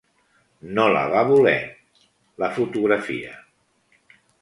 No la va voler, la fotografia.